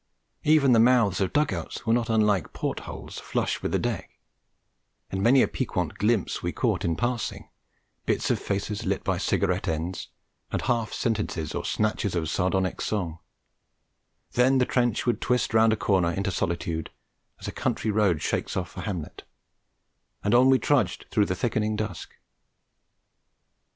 Even the mouths of dug outs were not unlike port holes flush with the deck; and many a piquant glimpse we caught in passing, bits of faces lit by cigarette ends and half sentences or snatches of sardonic song; then the trench would twist round a corner into solitude, as a country road shakes off a hamlet, and on we trudged through the thickening dusk.